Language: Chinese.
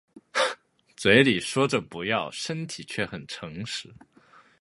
嘴里说着不要身体却很诚实